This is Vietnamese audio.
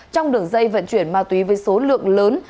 trong đường dây vận chuyển ma túy với số lượng lớn